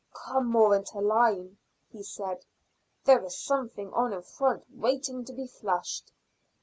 "Come more into line," he said; "there is something on in front waiting to be flushed."